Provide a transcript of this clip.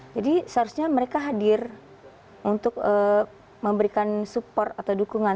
jadi seharusnya mereka hadir untuk memberikan dukungan